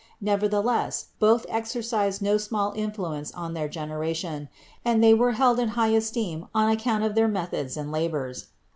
Nevertheless both exercised no small influence on their THE EARLY ALCHEMISTS 39 generation and they were held in high esteem on account of their methods and labors.